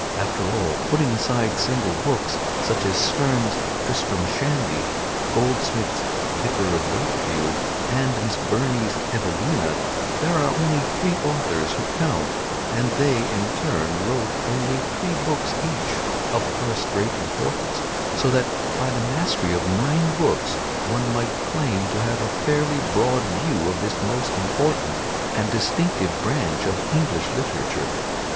After all, putting aside single books, such as Sterne's "Tristram Shandy," Goldsmith's "Vicar of Wakefield," and Miss Burney's "Evelina," there are only three authors who count, and they in turn wrote only three books each, of first rate importance, so that by the mastery of nine books one might claim to have a fairly broad view of this most important and distinctive branch of English literature.